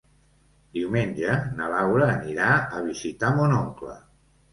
Diumenge na Laura anirà a visitar mon oncle.